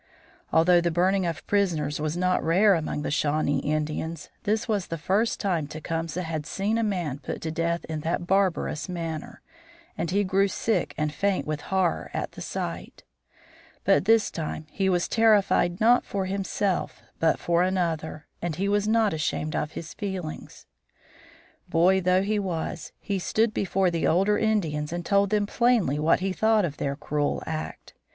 Although the burning of prisoners was not rare among the Shawnee Indians this was the first time Tecumseh had seen a man put to death in that barbarous manner, and he grew sick and faint with horror at the sight. But this time he was terrified not for himself but for another, and he was not ashamed of his feelings. Boy though he was, he stood before the older Indians and told them plainly what he thought of their cruel act.